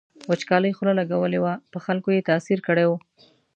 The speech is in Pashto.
وچکالۍ خوله لګولې وه په خلکو یې تاثیر کړی و.